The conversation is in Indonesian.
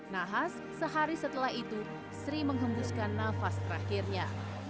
nahas sehari setelah itu sri menghembuskan nafas terakhirnya